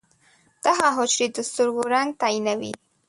دغه حجرې د سترګو رنګ تعیینوي.